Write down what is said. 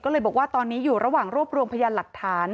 ก็เลยบอกว่าตอนนี้อยู่ระหว่างรวบรวมพยานหลักฐาน